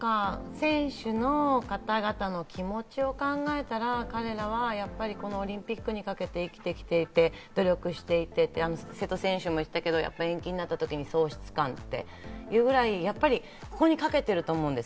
選手の方々の気持ちを考えたら、彼らはこのオリンピックにかけて生きてきていて、努力していて、瀬戸選手も言ってたけど延期になったときに喪失感って言うぐらいここにかけてると思うんです。